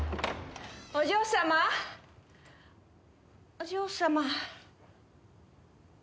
お嬢様。